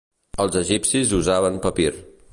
Els egipcis usaven papir.